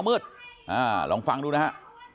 ลองฟังดูนะฮะ